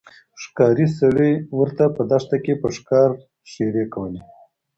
ښکارې سړي ورته په دښته کښي په ښکاره ښيرې کولې